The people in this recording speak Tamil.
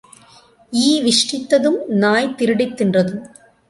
ஈ விஷ்டித்ததும் நாய் திருடித் தின்றதும்.